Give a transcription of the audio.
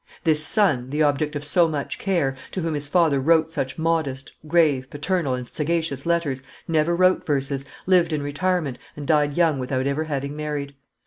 This son, the object of so much care, to whom his father wrote such modest, grave, paternal, and sagacious letters, never wrote verses, lived in retirement, and died young without ever having married.